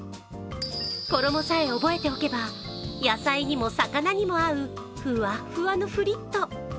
衣さえ覚えておけば、野菜にも魚にも合うふわっふわのフリット。